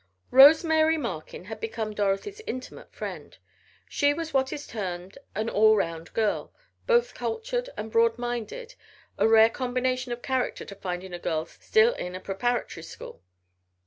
Rose Mary Markin had become Dorothy's intimate friend. She was what is termed an all round girl, both cultured and broad minded, a rare combination of character to find in a girl still in a preparatory school.